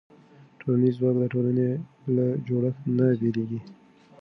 ټولنیز ځواک د ټولنې له جوړښت نه بېلېږي.